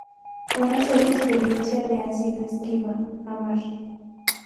Una sola experiencia le ha sido esquiva: amar.